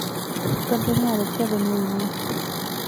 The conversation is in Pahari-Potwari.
کمرے نی حالت کہہ بنی ہوئی نی